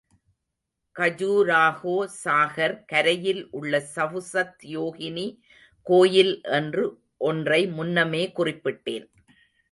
கஜுராஹோ சாகர் கரையில் உள்ள சவுசத் யோகினி கோயில் என்று ஒன்றை முன்னமே குறிப்பிட்டேன்.